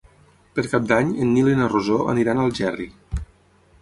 Per Cap d'Any en Nil i na Rosó aniran a Algerri.